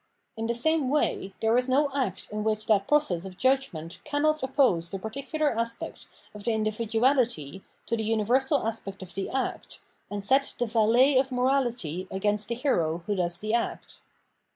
In the same way, there is no act in which that process of judgment cannot oppose the particular aspect of the individuality to the universal aspect of the act, and set the valet of morality against the hero who does the act.